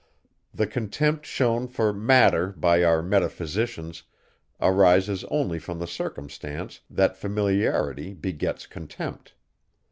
The contempt shewn for matter by our metaphysicians, arises only from the circumstance, that familiarity begets contempt.